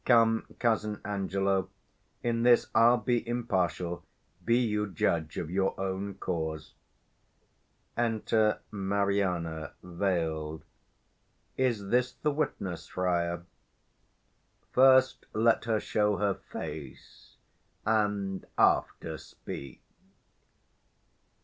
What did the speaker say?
Come, cousin Angelo; 165 In this I'll be impartial; be you judge Of your own cause. Is this the witness, friar? First, let her show her face, and after speak.